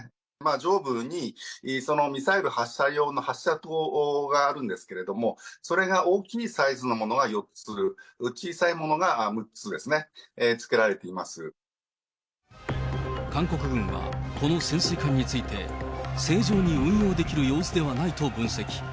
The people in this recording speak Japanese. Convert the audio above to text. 上部にミサイル発射用の発射塔があるんですけれども、それが大きいサイズのものが４つ、小さいものが６つですね、つけられていま韓国軍は、この潜水艦について正常に運用できる様子ではないと分析。